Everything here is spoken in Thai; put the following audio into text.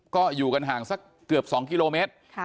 ก็อยู่กันห่างสักเกือบ๒กิโลเมตร